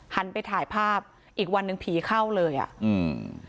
หันไปถ่ายภาพอีกวันหนึ่งผีเข้าเลยอ่ะอืม